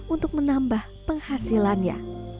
untuk menambah penghasilannya